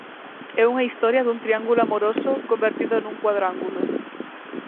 É unha historia dun triángulo amoroso convertido nun cuadrángulo.